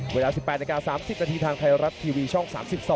เวลา๑๘นาที๓๐นาทีทางไทยรัฐทีวีช่อง๓๒